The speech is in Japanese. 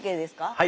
はい。